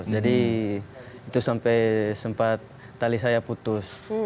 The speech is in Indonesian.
jadi itu sampai sempat tali saya putus